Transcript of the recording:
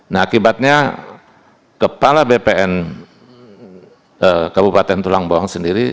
nah akibatnya kepala bpn kabupaten tulangbong sendiri